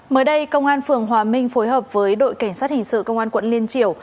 mới đây công an phường hòa minh phối hợp với đội cảnh sát hình sự công an quận liên triều